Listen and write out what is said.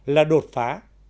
là đột phá